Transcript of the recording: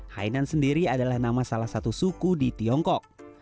hainan sendiri adalah nama salah satu suku di tiongkok